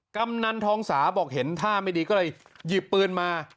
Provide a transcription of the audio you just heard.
กำนันทองสาบอกเห็นท่าไม่ดีก็เลยหยิบปืนมา